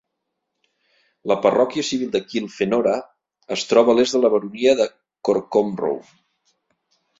La parròquia civil de Kilfenora es troba a l'est de la baronia de Corcomroe.